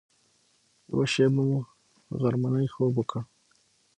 یوه شېبه مو غرمنۍ خوب وکړ.